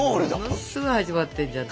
ものすごい始まってんじゃん。